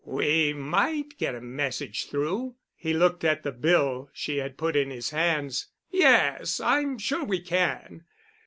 "We might get a message through." He looked at the bill she had put in his hand. "Yes, I'm sure we can."